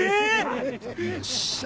よっしゃ。